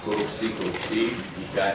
korupsi korupsi tidak itu akan berjalan